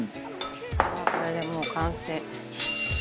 これでもう完成。